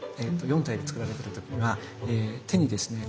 ４体で造られてる時には手にですね